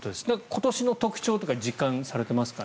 今年の特徴とか何か実感されてますか？